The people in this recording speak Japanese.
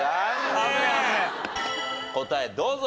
答えどうぞ。